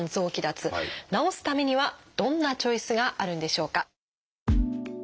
治すためにはどんなチョイスがあるんでしょうか？